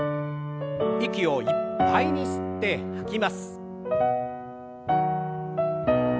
息をいっぱいに吸って吐きます。